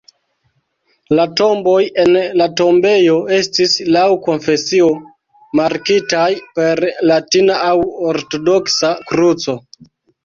La tomboj en la tombejo estis laŭ konfesio markitaj per latina aŭ ortodoksa kruco.